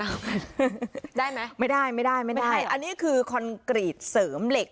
ได้ไหมไม่ได้ไม่ได้อันนี้คือคอนกรีตเสริมเหล็ก